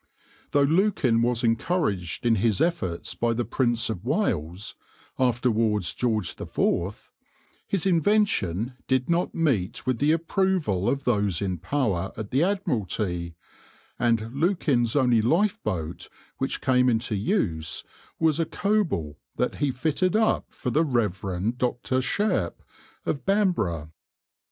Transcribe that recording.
Though Lukin was encouraged in his efforts by the Prince of Wales afterwards George the Fourth his invention did not meet with the approval of those in power at the Admiralty, and Lukin's only lifeboat which came into use was a coble that he fitted up for the Rev. Dr. Shairp of Bamborough.